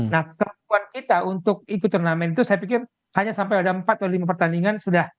nah kemampuan kita untuk ikut turnamen itu saya pikir hanya sampai ada empat atau lima pertandingan sudah